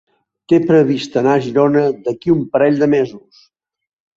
Té previst anar a Girona d'aquí a un parell de mesos.